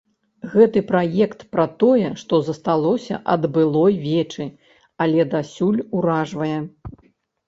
Гэты праект пра тое, што засталося ад былой вечы, але дасюль уражвае.